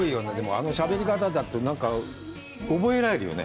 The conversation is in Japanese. あのしゃべり方だってなんか覚えられるよね